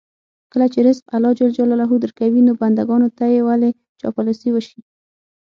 کله چې رزق الله ج درکوي، نو بندګانو ته یې ولې چاپلوسي وشي.